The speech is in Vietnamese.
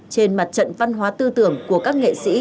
trên mặt trận văn hóa tư tưởng của các nghệ sĩ